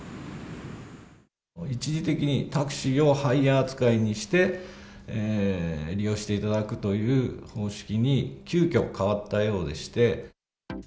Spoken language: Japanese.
一時的にタクシーをハイヤー扱いにして、利用していただくという方式に、急きょ変わったようでして。